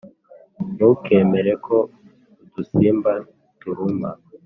ntukemere ko udusimba turuma.